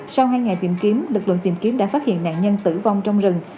sau hai ngày tìm kiếm lực lượng tìm kiếm đã phát hiện nạn nhân tử vong trong rừng